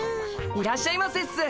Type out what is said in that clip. いらっしゃいませっす。